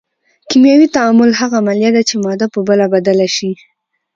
کیمیاوي تعامل هغه عملیه ده چې ماده په بله بدله شي.